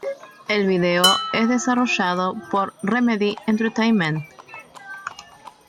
El videojuego es desarrollado por Remedy Entertainment.